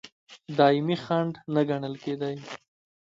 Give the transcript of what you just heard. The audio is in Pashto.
دایمي خنډ نه ګڼل کېدی.